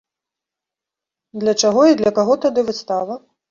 Для чаго і для каго тады выстава?